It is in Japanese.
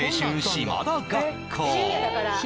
島田学校」